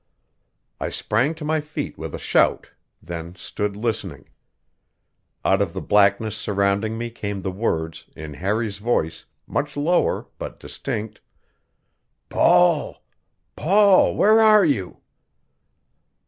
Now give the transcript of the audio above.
I sprang to my feet with a shout, then stood listening. Out of the blackness surrounding me came the words, in Harry's voice, much lower, but distinct: "Paul! Paul, where are you?"